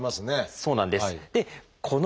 そうなんです。